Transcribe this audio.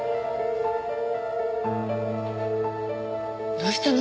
どうしたの？